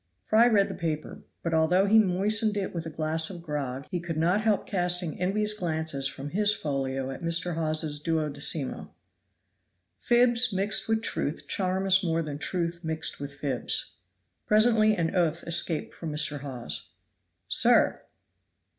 Fry read the paper; but although he moistened it with a glass of grog, he could not help casting envious glances from his folio at Mr. Hawes's duodecimo. Fibs mixed with truth charm us more than truth mixed with fibs. Presently an oath escaped from Mr. Hawes. "Sir!"